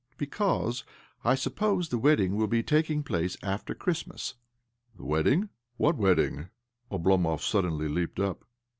" Because I suppose the wedding will be taking place soon after Christmas." "The wedding? What wedding? " Oblo mov suddenly leaped up.